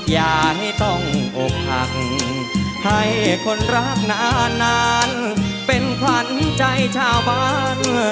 อย่าให้ต้องอกหักให้คนรักนานเป็นขวัญใจชาวบ้าน